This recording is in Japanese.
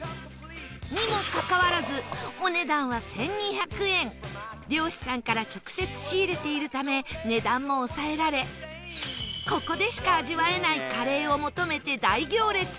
にもかかわらず漁師さんから直接仕入れているため値段も抑えられここでしか味わえないカレーを求めて大行列